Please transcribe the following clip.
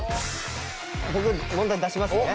僕問題出しますね。